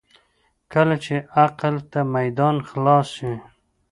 کله چې عقل ته میدان خلاص شي.